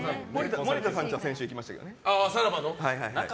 森田さんちは先週、行きましたけどね。